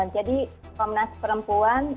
jadi komnas perempuan